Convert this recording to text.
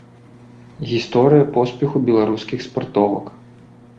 Гісторыя поспеху беларускіх спартовак.